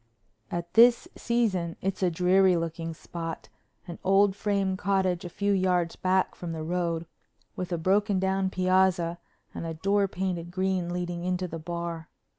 At this season it's a dreary looking spot, an old frame cottage a few yards back from the road, with a broken down piazza and a door painted green leading into the bar.